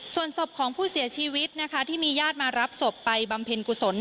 ส่วนศพของผู้เสียชีวิตนะคะที่มีญาติมารับศพไปบำเพ็ญกุศล